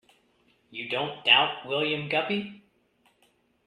You don't doubt William Guppy?